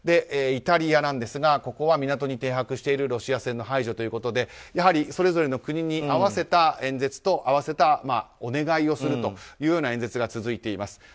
イタリアなんですがここは港に停泊しているロシア船の排除ということでそれぞれの国に合わせた演説と合わせたお願いをするという演説が続いています。